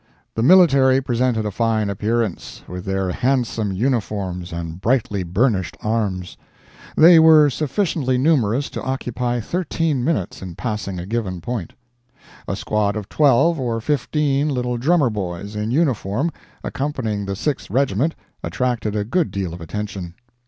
The military presented a fine appearance, with their handsome uniforms and brightly burnished arms. They were sufficiently numerous to occupy thirteen minutes in passing a given point. A squad of twelve or fifteen little drummer boys, in uniform, accompanying the Sixth Regiment, attracted a good deal of attention.